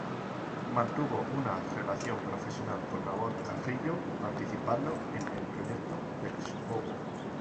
Mantuvo una relación profesional con Nabor Carrillo participando en el Proyecto Texcoco.